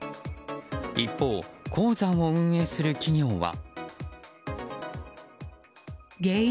一方、鉱山を運営する企業は。